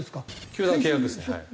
球団と契約ですねはい。